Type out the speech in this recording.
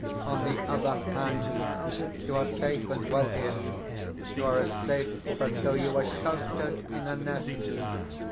On the other hand, you are safe and well here you are as safe as though you were sheltered in a nest.